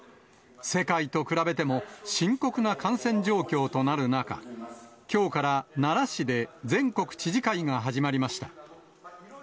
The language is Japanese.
世界と比べても、深刻な感染状況となる中、きょうから奈良市で、全国知事会が始まりました。